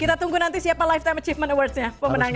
kita tunggu nanti siapa lifetime achievement awards nya pemenangnya